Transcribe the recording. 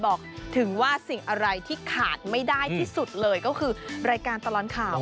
บอกถึงว่าสิ่งอะไรที่ขาดไม่ได้ที่สุดเลยก็คือรายการตลอดข่าว